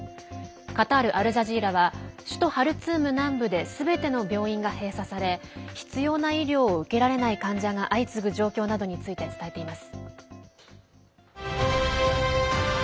カタール・アルジャジーラは首都ハルツーム南部ですべての病院が閉鎖され必要な医療を受けられない患者が相次ぐ状況などについて伝えています。